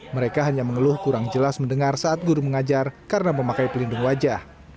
mereka hanya mengeluh kurang jelas mendengar saat guru mengajar karena memakai pelindung wajah